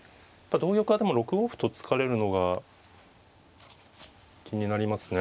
同玉はでも６五歩と突かれるのが気になりますね。